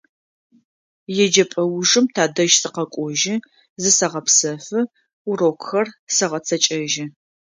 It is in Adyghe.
ЕджэпӀэ ужым тадэжь сыкъэкӀожьы, зысэгъэпсэфы, урокхэр сэгъэцэкӀэжьы.